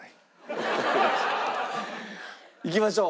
いきましょう。